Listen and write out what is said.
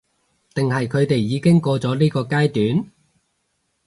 定係佢哋已經過咗呢個階段？